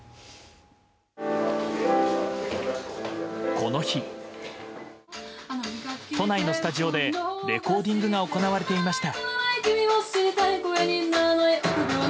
この日、都内のスタジオでレコーディングが行われていました。